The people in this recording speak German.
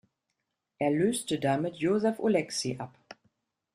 Er löste damit Józef Oleksy ab.